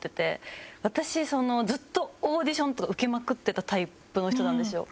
私ずっとオーディションとか受けまくってたタイプの人なんですよ。